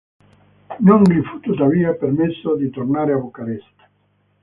Non gli fu tuttavia permesso di tornare a Bucarest.